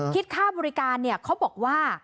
คิดค่าบริการเขาบอกว่า